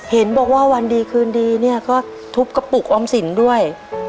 เห็นบอกว่าวันดีคืนดีเนี่ยก็ทุบกระปุกออมสินด้วย